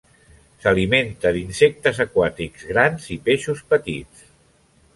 S'alimenta d'insectes aquàtics grans i peixos petits.